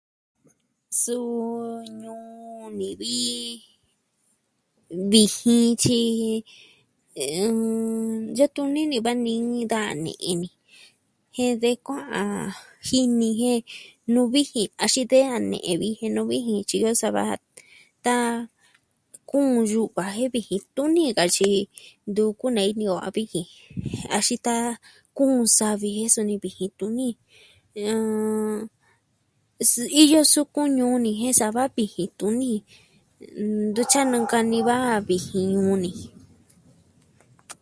Suu ñuu ni vi viijin tyi yatu nini va ni va ni da ni'i. Jen de kuaa a jini jen nuu vijin axin de a ne'e vijin nuu vijin tyiyo sava ta kuun yu'va jen vijin tuni kaxii ntu kunei ni o a vijin axin ta kuun savi jen suni vijin tuni iyo sukun ñu'un ni jen saa va vijin tuni. Ntu tyia nankani va'a vijin nuu ni.